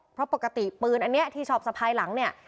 เพราะปกติปืนอันนี้ที่ชอบสะพายหลังเนี่ย